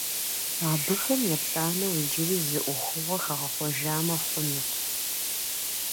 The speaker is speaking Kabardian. Абыхэм еплӏанэу иджыри зы ӏуэхугъуэ хэгъэхъуэжамэ хъунут.